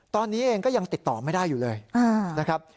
ตอนนี้เองก็ยังติดต่อไม่ได้อยู่เลยนะครับ